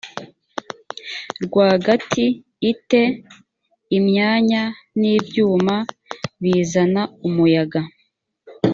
rwagati i te imyanya n ibyuma bizana umuyaga